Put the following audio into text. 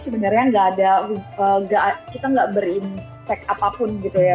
sebenarnya nggak ada kita nggak berintek apapun gitu ya